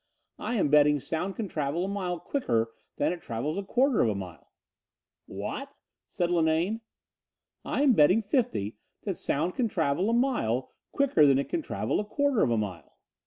I am betting sound can travel a mile quicker than it travels a quarter of a mile." "What?" said Linane. "I'm betting fifty that sound can travel a mile quicker than it can travel a quarter of a mile."